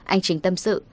anh chính tâm sự